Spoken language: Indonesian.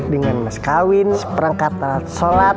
dengan mas kawin seperangkat alat sholat